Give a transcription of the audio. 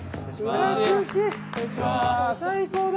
最高だ。